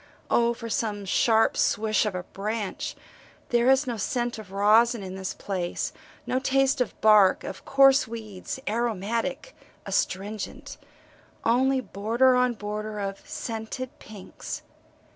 O for some sharp swish of a branch there is no scent of resin in this place, no taste of bark, of coarse weeds, aromatic, astringent only border on border of scented pinks.